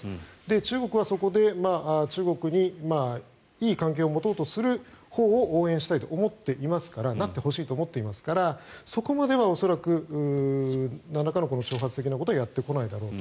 中国はそこで、中国にいい関係を持とうとするほうを応援したいと思っていますからなってほしいと思っていますからそこまでは恐らくなんらかの挑発的なことはやってこないだろうと。